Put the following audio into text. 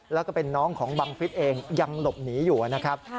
แล้วก็เป็นน้องของบังฟิศเองยังหลบหนีอยู่นะครับ